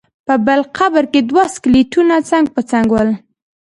په بل قبر کې دوه سکلیټونه څنګ په څنګ ول.